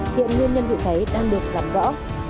hiện nguyên nhân vụ cháy đang được gặp rõ